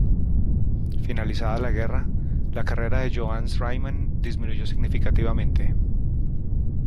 Finalizada la guerra, la carrera de Johannes Riemann disminuyó significativamente.